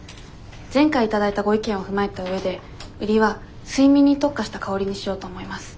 前回頂いたご意見を踏まえた上で売りは睡眠に特化した香りにしようと思います。